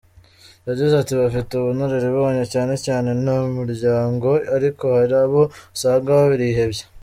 Yagize ati “Bafite ubunararibonye cyane cyane mu miryango, ariko hari abo usanga barihebye.